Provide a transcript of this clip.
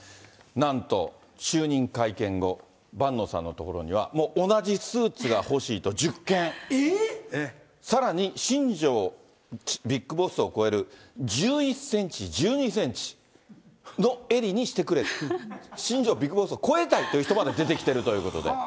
なんと、就任会見後、伴野さんのところには、同じスーツが欲しいと１０件、さらに、新庄ビッグボスを超える１１センチ、１２センチの襟にしてくれ、新庄ビッグボスを超えたいという人まで出てきてるということで。